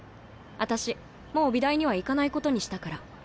私もう美大には行かないことにしたから。